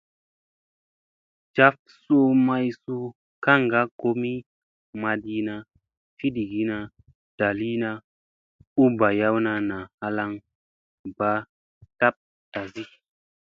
Jaf suu may suu gaŋ komi maɗina, fiɗgina, ɗaliina u mi ɓayawna naa halaŋ ba tab tasi.